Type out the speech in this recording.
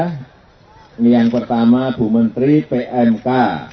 ini yang pertama bu menteri pmk